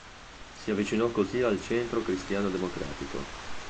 Si avvicinò così al Centro Cristiano Democratico.